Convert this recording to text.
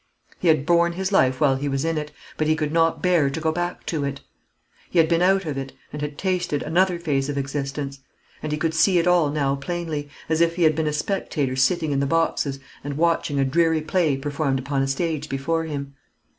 He had borne his life while he was in it, but he could not bear to go back to it. He had been out of it, and had tasted another phase of existence; and he could see it all now plainly, as if he had been a spectator sitting in the boxes and watching a dreary play performed upon a stage before him.